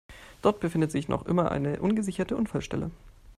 Dort befindet sich noch immer eine ungesicherte Unfallstelle.